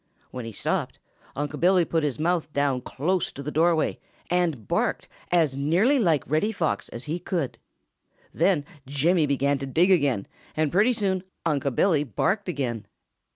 When he stopped, Unc' Billy put his mouth down close to the doorway and barked as nearly like Reddy Fox as he could. Then Jimmy began to dig again, and pretty soon Unc' Billy barked again.